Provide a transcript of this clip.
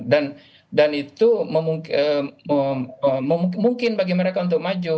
itu mungkin bagi mereka untuk maju